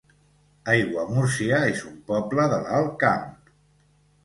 Aiguamúrcia es un poble de l'Alt Camp